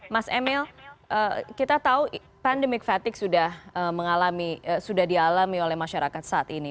mas emil kita tahu pandemik fatigue sudah dialami oleh masyarakat saat ini